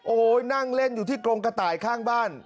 โอ้โหนั่งเล่นอยู่ที่กรงกระต่ายข้างบ้าน